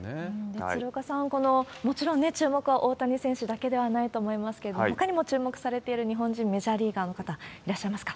鶴岡さん、もちろん注目は大谷選手だけではないと思いますけれども、ほかにも注目されている日本人メジャーリーガーの方、いらっしゃいますか？